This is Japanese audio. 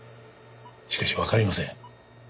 しかしわかりません。